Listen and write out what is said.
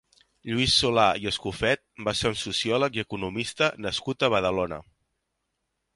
Lluís Solà i Escofet va ser un sociòleg i economista nascut a Badalona.